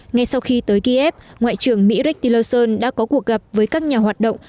ngay sau khi tới kyiv ngoại trưởng mỹ rex tillerson đã có cuộc gặp với các nhà hoạt động